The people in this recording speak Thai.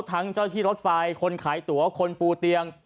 ทั้งเจ้าที่รถไฟคนขายตัวคนปูเตียง